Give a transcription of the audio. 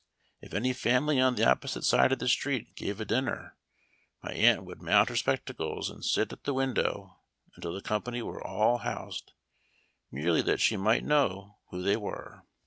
If any family on the opposite side of the street gave a dinner, my aunt would mount her spectacles and sil at the window until the company were all housed, merely that she might know who they were.